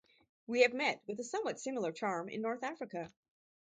We have met with a somewhat similar charm in North Africa.